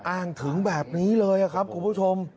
อ้างถึงแบบนี้เลยครับคุณผู้ชม